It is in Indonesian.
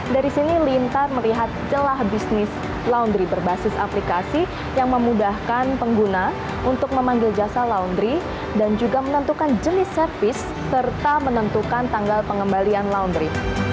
dari sini lintar melihat celah bisnis laundry berbasis aplikasi yang memudahkan pengguna untuk memanggil jasa laundry dan juga menentukan jenis servis serta menentukan tanggal pengembalian laundry